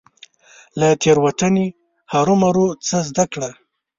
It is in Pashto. له تيروتني هرمروه څه زده کړه .